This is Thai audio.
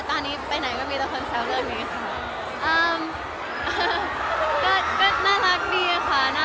ตอนนี้ไปไหนก็มีแต่คนแซวเรื่องนี้ค่ะ